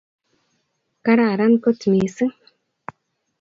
kararan kot missing